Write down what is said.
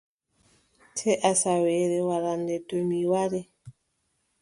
Sey asawaare warande, to mi wari.